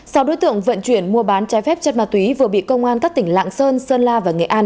sau đối tượng vận chuyển mua bán trái phép chất ma túy vừa bị công an các tỉnh lạng sơn sơn la và nghệ an